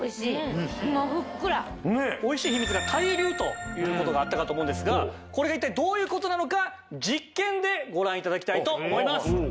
美味しい秘密が対流という事があったかと思うんですがこれが一体どういう事なのか実験でご覧頂きたいと思います。